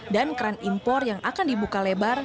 dan kran impor yang akan dibuka lebar